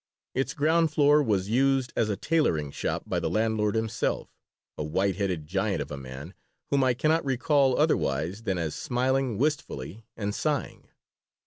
Its ground floor was used as a tailoring shop by the landlord himself, a white headed giant of a man whom I cannot recall otherwise than as smiling wistfully and sighing.